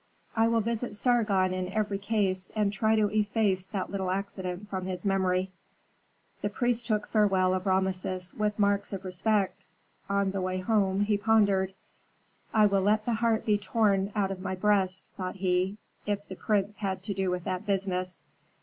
"I will visit Sargon in every case, and try to efface that little accident from his memory." The priest took farewell of Rameses with marks of respect. On the way home, he pondered. "I will let the heart be torn out of my breast," thought he, "if the prince had to do with that business.